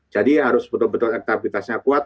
jadi harus betul betul aktivitasnya kuat